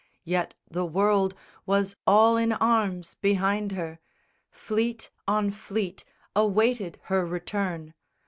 Yet the world Was all in arms behind her. Fleet on fleet Awaited her return.